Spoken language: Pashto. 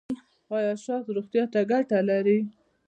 ایا شات روغتیا ته ګټه لري؟